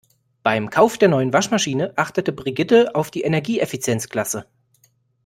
Beim Kauf der neuen Waschmaschine achtete Brigitte auf die Energieeffizienzklasse.